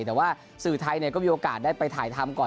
แต่ว่าสื่อไทยก็มีโอกาสได้ไปถ่ายทำก่อน